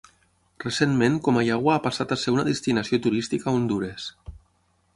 Recentment Comayagua ha passat a ser una destinació turística a Hondures.